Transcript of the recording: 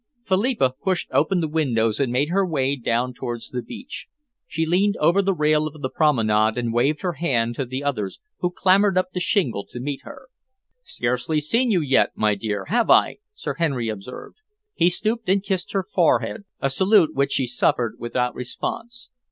Philippa pushed open the windows and made her way down towards the beach. She leaned over the rail of the promenade and waved her hand to the others, who clambered up the shingle to meet her. "Scarcely seen you yet, my dear, have I?" Sir Henry observed. He stooped and kissed her forehead, a salute which she suffered without response.